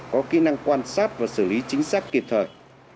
có kỹ năng quan sát và xử lý chính xác kịp thời